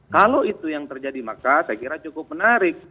kalau itu yang terjadi maka saya kira cukup menarik